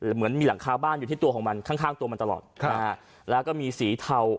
เหมือนมีหลังคาบ้านอยู่ที่ตัวของมันข้างข้างตัวมันตลอดนะฮะแล้วก็มีสีเทา